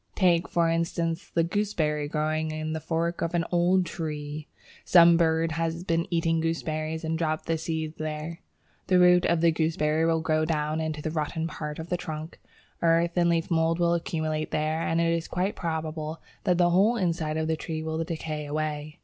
Take, for instance, the Gooseberry growing in the fork of an old tree. Some bird has been eating gooseberries and dropped the seed there. The roots of the gooseberry will grow down into the rotten part of the trunk. Earth and leaf mould will accumulate there, and it is quite probable that the whole inside of the tree will decay away.